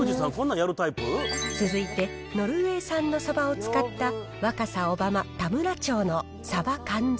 続いて、ノルウェー産のサバを使った若狭小浜田村長の鯖缶詰。